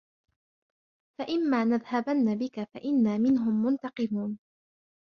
فإما نذهبن بك فإنا منهم منتقمون